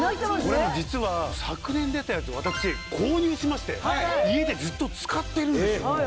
実は昨年出たやつを私購入しまして家でずっと使ってるんですよ。